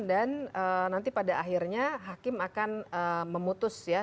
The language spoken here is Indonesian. dan nanti pada akhirnya hakim akan memutus ya